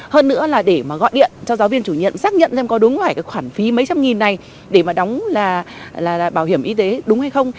hơn nữa là để mà gọi điện cho giáo viên chủ nhiệm xác nhận xem có đúng phải cái khoản phí mấy trăm nghìn này để mà đóng là bảo hiểm y tế đúng hay không